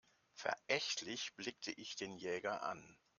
Verächtlich blickte ich den Jäger an.